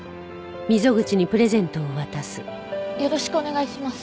よろしくお願いします。